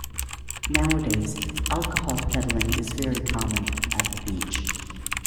Nowadays, alcohol peddling is very common at the beach.